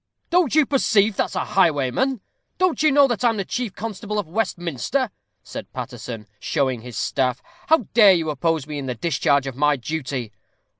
"Don't you perceive that's a highwayman? Don't you know that I'm chief constable of Westminster?" said Paterson, showing his staff. "How dare you oppose me in the discharge of my duty?"